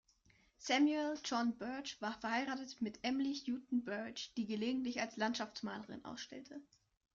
Samuel John Birch war verheiratet mit Emily Houghton Birch, die gelegentlich als Landschaftsmalerin ausstellte.